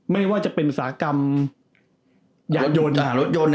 ไม่ว่าจะเป็นอุสากรรมรถยนต์